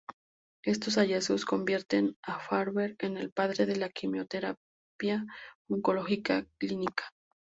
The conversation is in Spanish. Estos hallazgos convierten a Farber en el padre de la quimioterapia oncológica clínica.